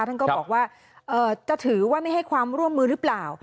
ท่านก็บอกว่าจะถือว่าไม่ให้ความร่วมมือหรือเปล่า